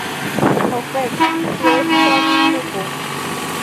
Ho fek, tio estas pupo.